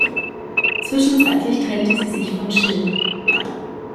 Zwischenzeitlich trennte sie sich von Schill.